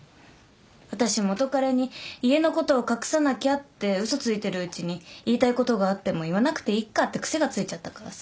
私元カレに家のことを隠さなきゃって嘘ついてるうちに言いたいことがあっても言わなくていっかって癖がついちゃったからさ。